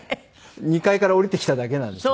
２階から降りてきただけなんですよ。